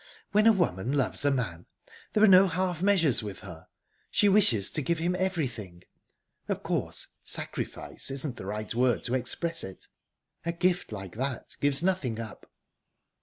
When a woman loves a man, there are no half measures with her she wishes to give him everything. Of course, 'sacrifice' isn't the right word to express it. A gift like that gives nothing up..."